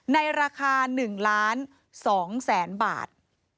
ในราคา๑ล้าน๒แสนบาท